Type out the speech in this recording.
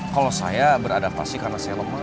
kalau saya beradaptasi karena saya lemah